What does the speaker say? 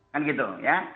kan gitu ya